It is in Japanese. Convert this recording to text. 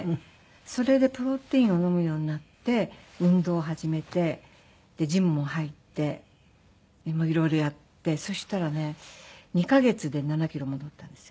それでプロテインを飲むようになって運動を始めてジムも入っていろいろやってそしたらね２カ月で７キロ戻ったんですよ。